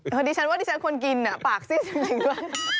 ดิฉันว่าดิฉันควรกินปากสิ้นจริงด้วย